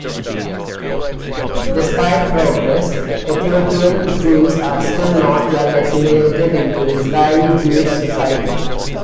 Despite progress, Ethiopian Jews are still not well assimilated into Israeli-Jewish society.